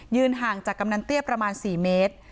ห่างจากกำนันเตี้ยประมาณ๔เมตร